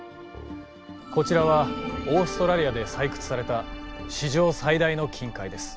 こちらはオーストラリアで採掘された史上最大の金塊です。